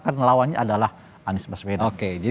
karena lawannya adalah anies baswedan